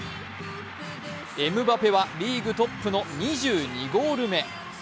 エムバペはリーグトップの２２ゴール目。